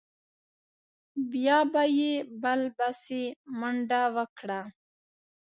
بیا به یې بل بسې منډه وکړه.